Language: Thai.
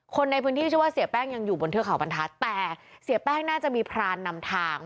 คนในพื้นที่ชื่อว่าเสียแป้งยังอยู่บนเทือกเขาบรรทัศน์แต่เสียแป้งน่าจะมีพรานนำทาง